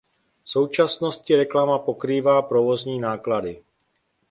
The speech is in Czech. V současnosti reklama pokrývá provozní náklady.